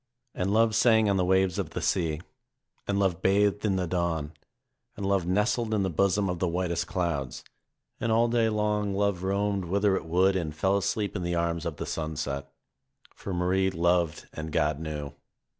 And love sang on the waves of the sea, and love bathed in the dawn, and love nestled in the bosom of the whitest clouds, and all day long love roamed whither it would and fell asleep in the arms of the sunset. For Marie loved and God knew.